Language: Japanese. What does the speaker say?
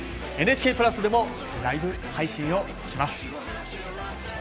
ＮＨＫプラスでもライブ配信をします。